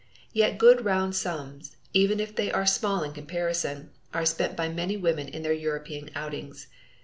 Yet good round sums, even if they are small in comparison, are spent by many women in their European outings.